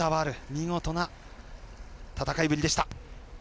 見事な戦いぶりでした。